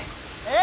え！？